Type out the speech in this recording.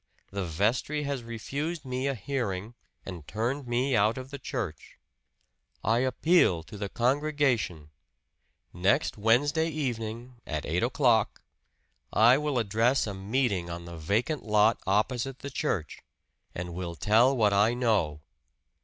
The vestry has refused me a hearing and turned me out of the church. I appeal to the congregation. Next Wednesday evening, at eight o'clock, I will address a meeting on the vacant lot opposite the church, and will tell what I know.